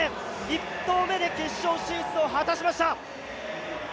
１投目で決勝進出を果たしました。